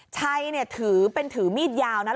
ชัยเนี่ยถือเป็นถือมีดยาวนะ